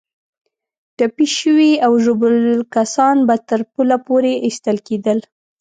ټپي شوي او ژوبل کسان به تر پله پورې ایستل کېدل.